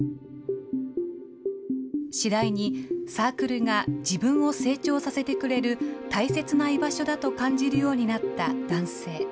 次第に、サークルが自分を成長させてくれる大切な居場所だと感じるようになった男性。